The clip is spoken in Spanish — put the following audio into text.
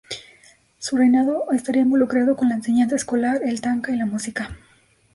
Su reinado estaría involucrado con la enseñanza escolar, el tanka y la música.